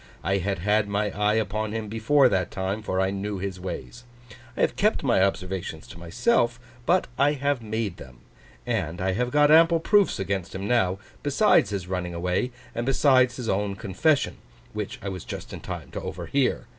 I had had my eye upon him before that time, for I knew his ways. I have kept my observations to myself, but I have made them; and I have got ample proofs against him now, besides his running away, and besides his own confession, which I was just in time to overhear.